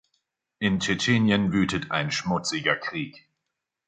In Tschetschenien wütet ein schmutziger Krieg.